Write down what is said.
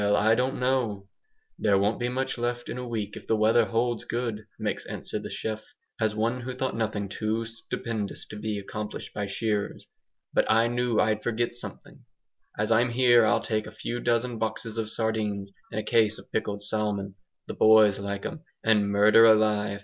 "Well, I don't know. There won't be much left in a week if the weather holds good," makes answer the chef, as one who thought nothing too stupendous to be accomplished by shearers, "but I knew I'd forgot something. As I'm here I'll take a few dozen boxes of sardines, and a case of pickled salmon. The boys likes 'em, and, murder alive!